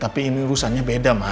tapi ini urusannya beda